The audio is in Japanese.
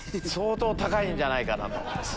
相当高いんじゃないかと。